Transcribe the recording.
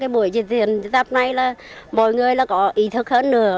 dịch diện dập này là mọi người có ý thức hơn nữa